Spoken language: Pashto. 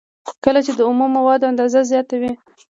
کله چې د اومو موادو اندازه زیاته وي